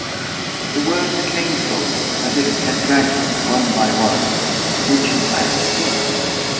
The words came from me as if he had dragged them one by one, which, in fact, he did.